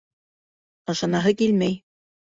Ышанаһы килмәй.